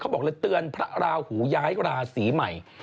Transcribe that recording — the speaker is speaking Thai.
บอกเลยเตือนพระราหูย้ายราศีใหม่